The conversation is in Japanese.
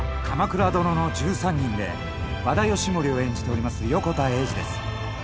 「鎌倉殿の１３人」で和田義盛を演じております横田栄司です。